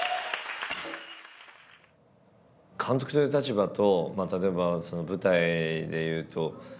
監督という立場と例えば舞台でいうと僕も。